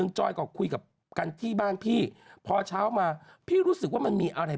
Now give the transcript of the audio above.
นางคิดแบบว่าไม่ไหวแล้วไปกด